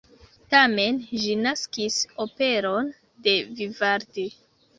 Tamen ĝi naskis operon de Vivaldi.